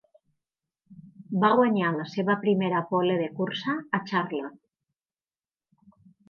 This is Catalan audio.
Va guanyar la seva primera pole de cursa a Charlotte.